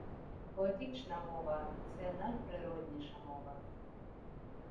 Поетична мова – це найприродніша мова.